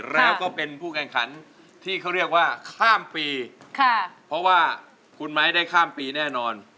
แล้วก็เป็นผู้แข่งขันที่เขาเรียกว่าข้ามปีค่ะเพราะว่าคุณไม้ได้ข้ามปีแน่นอน